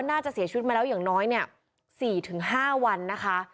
น่าจะเสียชีวิตมาแล้วอย่างน้อยเนี่ย๔๕วันนะคะ